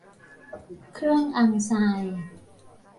เครื่องอังทราย